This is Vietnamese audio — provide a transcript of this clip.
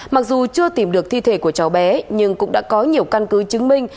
mặc dù chưa tìm được thi thể của cháu bé nhưng cũng đã có nhiều căn cứ chứng minh